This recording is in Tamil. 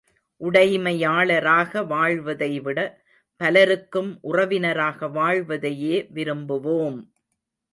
உடைமையாளராக வாழ்வதைவிட, பலருக்கும் உறவினராக வாழ்வதையே விரும்புவோம்!